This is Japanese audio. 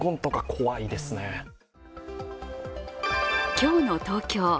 今日の東京。